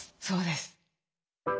そうです。